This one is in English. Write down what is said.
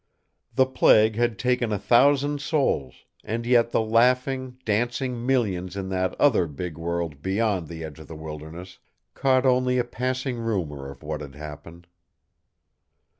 The plague had taken a thousand souls, and yet the laughing, dancing millions in that other big world beyond the edge of the wilderness caught only a passing rumor of what had happened.